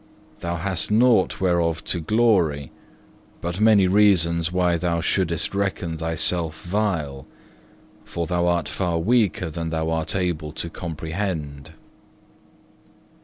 Thou hast nought whereof to glory, but many reasons why thou shouldest reckon thyself vile, for thou art far weaker than thou art able to comprehend.